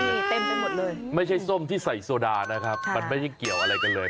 นี่เต็มไปหมดเลยไม่ใช่ส้มที่ใส่โซดานะครับมันไม่ได้เกี่ยวอะไรกันเลย